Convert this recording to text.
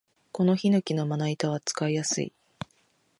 このヒノキのまな板は使いやすい